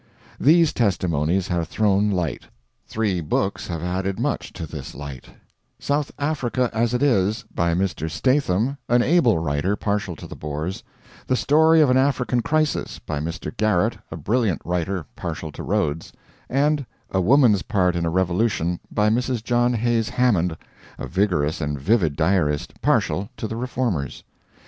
These testimonies have thrown light. Three books have added much to this light: "South Africa As It Is," by Mr. Statham, an able writer partial to the Boers; "The Story of an African Crisis," by Mr. Garrett, a brilliant writer partial to Rhodes; and "A Woman's Part in a Revolution," by Mrs. John Hays Hammond, a vigorous and vivid diarist, partial to the Reformers.